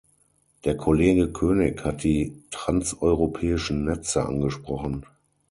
Der Kollege König hat die transeuropäischen Netze angesprochen.